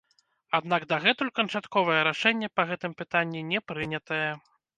Аднак дагэтуль канчатковае рашэнне па гэтым пытанні не прынятае.